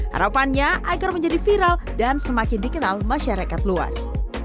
harapannya agar menjadi viral dan semakin dikenal masyarakat luas